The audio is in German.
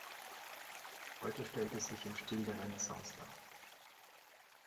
Heute stellt es sich im Stil der Renaissance dar.